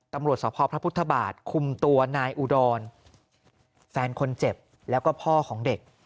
ตำรวจสพพระพุทธบาทคุมตัวนายอุดรแฟนคนเจ็บแล้วก็พ่อของเด็ก